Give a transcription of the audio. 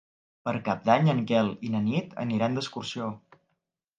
Per Cap d'Any en Quel i na Nit aniran d'excursió.